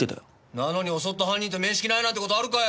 なのに襲った犯人と面識ないなんて事あるかよ！